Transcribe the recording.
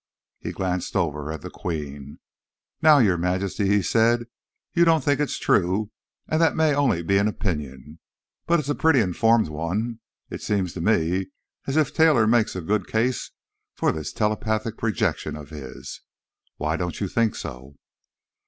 He glanced over at the Queen. "Now, Your Majesty," he said, "you don't think it's true—and that may only be an opinion, but it's a pretty informed one. It seems to me as if Taylor makes a good case for this 'telepathic projection' of his. Why don't you think so?"